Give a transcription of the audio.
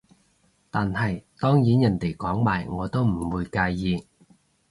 但係當然人哋講埋我都唔會介意